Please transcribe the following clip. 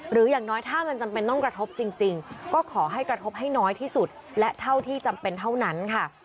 อย่างน้อยถ้ามันจำเป็นต้องกระทบจริงก็ขอให้กระทบให้น้อยที่สุดและเท่าที่จำเป็นเท่านั้นค่ะ